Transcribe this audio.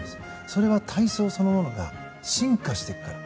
それは体操そのものが進化していくから。